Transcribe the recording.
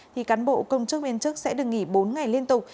thì cán bộ công chức viên chức sẽ được nghỉ bốn ngày liên tục